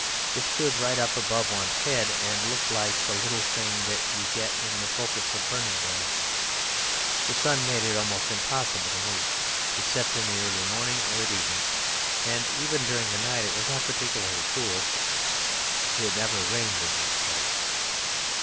It stood right up above one's head and looked like the little thing that you get in the focus of a burning glass. The sun made it almost impossible to move, except in the early morning or at evening, and even during the night it was not particularly cool. It never rained in this place.